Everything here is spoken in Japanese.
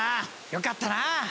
よかったな！